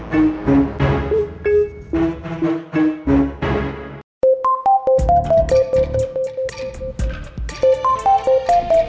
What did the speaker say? kek apa lagi bisa bud di ofek betty ke hitung